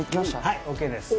はいＯＫです